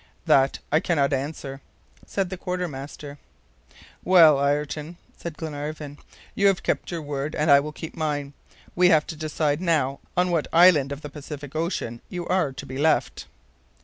"That I cannot answer," said the quartermaster. "Well, Ayrton," said Glenarvan, "you have kept your word, and I will keep mine. We have to decide now on what island of the Pacific Ocean you are to be left?"